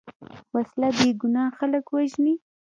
وسله بېګناه خلک وژلي